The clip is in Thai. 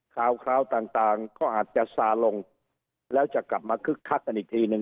ข่าวต่างก็อาจจะซาลงแล้วจะกลับมาคึกคักกันอีกทีนึง